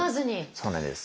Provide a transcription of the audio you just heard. そうなんです。